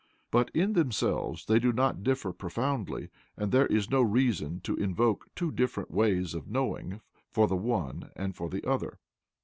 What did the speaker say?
But in themselves they do not differ profoundly, and there is no reason to invoke two different ways of knowing for the one and for the other.